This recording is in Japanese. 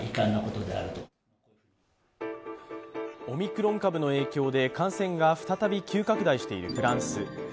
オミクロン株の影響で感染が再び急拡大しているフランス。